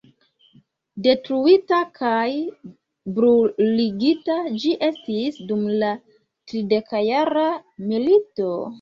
Detruita kaj bruligita ĝi estis dum la tridekjara milito.